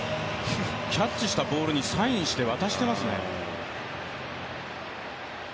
キャッチしたボールにサインして渡してますもん。